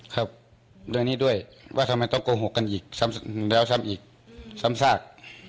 ครับเรื่องนี้ด้วยว่าทำไมต้องโกหกกันอีกซ้ำแล้วซ้ำอีกซ้ำซาก